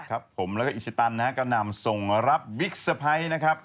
ครับผมแล้วก็อิชตันนะฮะก็นำส่งรับวิกสภัยนะครับ